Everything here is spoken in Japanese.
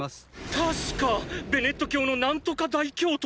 確かベネット教の何とか大教督！